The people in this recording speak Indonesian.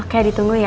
oke ditunggu ya